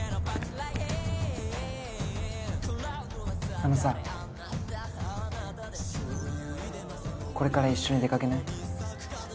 あのさこれから一緒に出かけない？